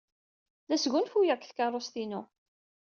La sgunfuyeɣ deg tkeṛṛust-inu.